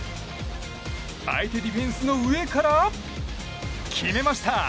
相手ディフェンスの上から決めました。